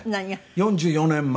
４４年前。